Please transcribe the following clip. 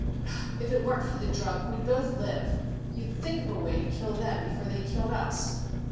"If it weren't for the drug, we'd both live. You'd think of a way to kill them before they killed us."